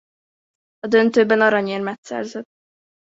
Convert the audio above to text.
A döntőben aranyérmet szerzett.